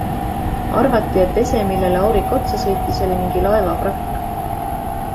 Arvati, et ese, millele aurik otsa sõitis, oli mingi laeva vrakk.